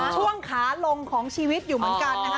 ช่วงขาลงของชีวิตอยู่เหมือนกันนะคะ